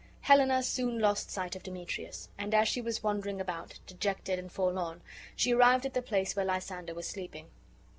Helena soon lost sight of Demetrius; and as she was wandering about, dejected and forlorn, she arrived at the place where Lysander was sleeping.